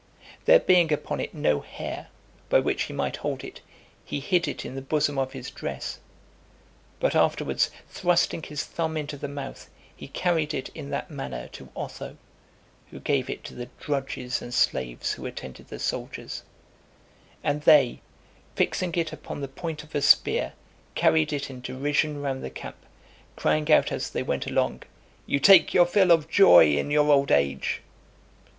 There being upon it no hair, by which he might hold it, he hid it in the bosom of his dress; but afterwards thrusting his thumb into the mouth, he carried it in that manner to Otho, who gave it to the drudges and slaves who attended the soldiers; and they, fixing it upon the (414) point of a spear, carried it in derision round the camp, crying out as they went along, "You take your fill of joy in your old age."